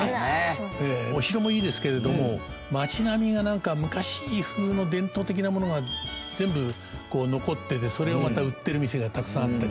お城もいいですけれども町並みがなんか昔風の伝統的なものが全部残っててそれをまた売ってる店がたくさんあったり。